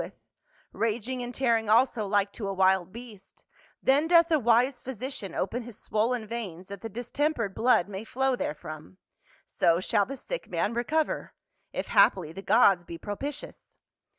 175 he cIoe'Lh, raging and tearing also like to a wild beast, then doth the wise physician open his swollen veins that the distempered blood may flow therefrom ; so shall the sick man recover — if haply the gods be pro pitious.